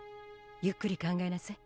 ゆっくり考えなさい。